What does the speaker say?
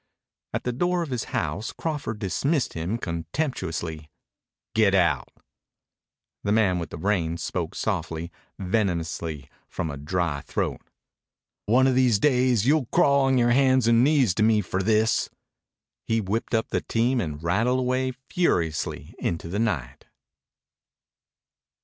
At the door of his house Crawford dismissed him contemptuously. "Get out." The man with the reins spoke softly, venomously, from a dry throat. "One o' these days you'll crawl on your hands and knees to me for this." He whipped up the team and rattled away furiously into the night.